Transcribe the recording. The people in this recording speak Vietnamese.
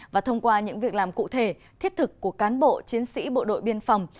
và thông qua những việc làm cụ thể thiết thực của cán bộ chiến sĩ bộ đội biên phòng